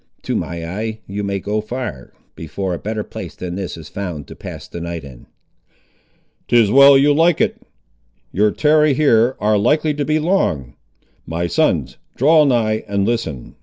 To my eye you may go far, before a better place than this is found to pass the night in." "Tis well you like it. Your tarry here ar' likely to be long. My sons, draw nigh and listen.